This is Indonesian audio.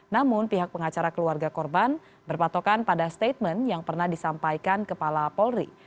namun pihak pengacara keluarga korban berpatokan pada statement yang pernah disampaikan kepala polri